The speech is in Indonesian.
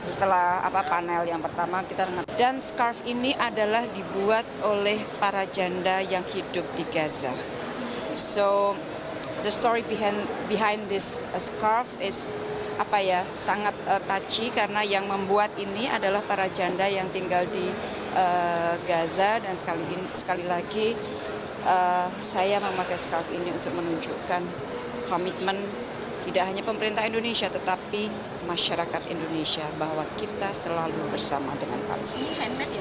saya memakai shawl ini untuk menunjukkan komitmen tidak hanya pemerintah indonesia tetapi masyarakat indonesia bahwa kita selalu bersama dengan palestina